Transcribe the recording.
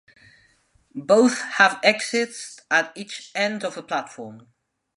Both have exits at each end of the platform.